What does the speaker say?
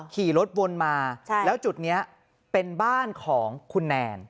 ขี่รถวนมาแล้วจุดนี้เป็นบ้านของคุณแนน